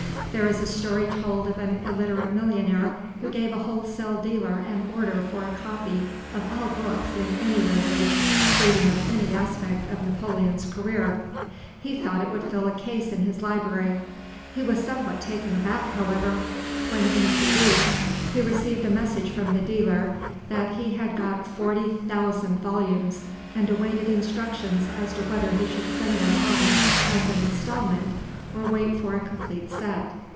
There is a story told of an illiterate millionaire who gave a wholesale dealer an order for a copy of all books in any language treating of any aspect of Napoleon's career. He thought it would fill a case in his library. He was somewhat taken aback, however, when in a few weeks he received a message from the dealer that he had got 40,000 volumes, and awaited instructions as to whether he should send them on as an instalment, or wait for a complete set.